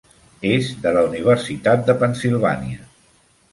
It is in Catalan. És de la Universitat de Pennsylvania.